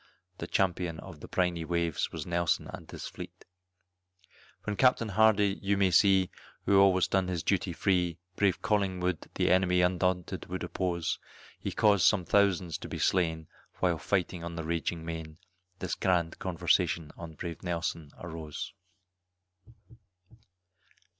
The champion of the briny waves was Nelson and his fleet; When Capt. Hardy, you may see, who always done his duty free, Brave Collingwood the enemy undaunted would oppose, He caused some thousands to be slain while fighting on the raging main, This grand conversation on brave Nelson arose.